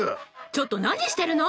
ちょっと、何してるの！